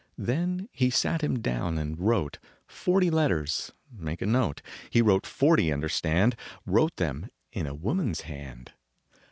Then he sat him down and wrote Forty letters make a note. He wrote forty, understand, Wrote them in a woman s hand.